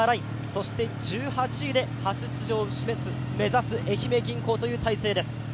そして１８位で初出場を目指す愛媛銀行という体勢です。